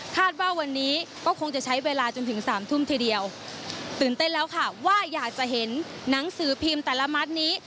ว่าวันนี้ก็คงจะใช้เวลาจนถึงสามทุ่มทีเดียวตื่นเต้นแล้วค่ะว่าอยากจะเห็นหนังสือพิมพ์แต่ละมัดนี้